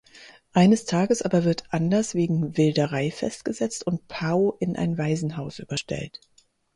Eines Tages aber wird Anders wegen Wilderei festgesetzt und Pao in ein Waisenhaus überstellt.